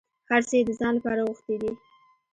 هر څه یې د ځان لپاره غوښتي دي.